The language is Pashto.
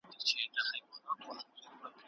هغه د خپل ټاټوبي دفاع لپاره جګړه وکړه.